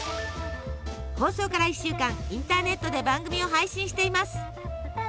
放送から一週間インターネットで番組を配信しています。